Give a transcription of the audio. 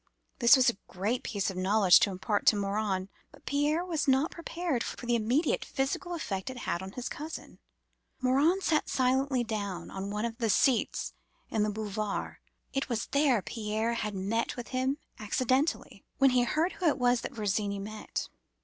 This was a great piece of knowledge to impart to Morin. But Pierre was not prepared for the immediate physical effect it had on his cousin. Morin sat suddenly down on one of the seats in the Boulevards—it was there Pierre had met with him accidentally—when he heard who it was that Virginie met.